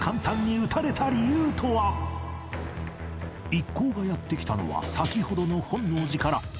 一行がやって来たのは先ほどの本能寺から